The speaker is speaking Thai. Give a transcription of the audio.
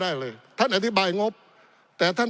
ปี๑เกณฑ์ทหารแสน๒